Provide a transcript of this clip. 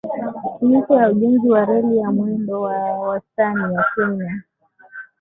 Licha ya ujenzi wa reli ya mwendo wa wastan ya Kenya